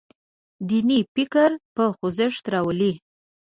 دیني فکر په خوځښت راولي.